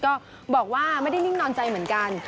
ก็บอกว่าไม่ได้นิ่งนอนใจเหมือนกัน